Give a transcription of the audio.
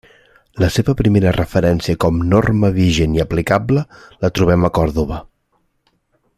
La seva primera referència com norma vigent i aplicable la trobem a Còrdova.